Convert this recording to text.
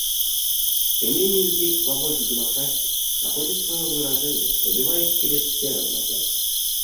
Стремление людей к свободе и демократии находит свое выражение, пробиваясь через все разногласия.